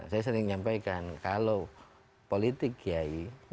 saya sering menyampaikan kalau politik kiai